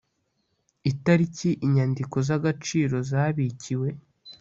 Itariki inyandiko z agaciro zabikiwe